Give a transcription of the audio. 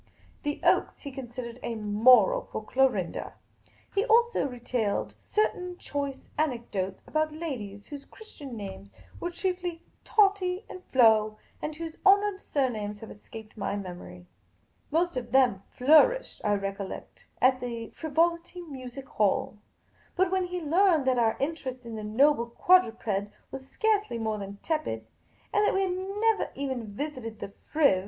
The Oaks he considered " a moral " for Clorinda. He also retailed certain choice anec dotes about ladies whose Christian names were chiefly Tottie and Flo, and whose honoured surnames have escaped my memory. Most of them flourished, I recollect, at the Frivolity Music Hall. But when he learned that our inter est in the noble quadruped was scarcely more than tepid, and that we had never even visited " the Friv.